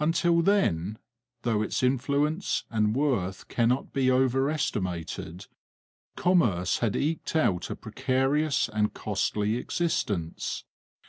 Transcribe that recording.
Until then, though its influence and worth cannot be overestimated, commerce had eked out a precarious and costly existence.